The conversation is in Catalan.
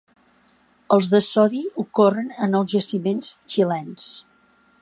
Els de sodi ocorren en els jaciments xilens.